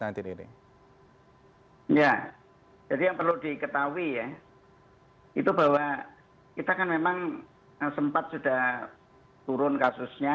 ya jadi yang perlu diketahui ya itu bahwa kita kan memang sempat sudah turun kasusnya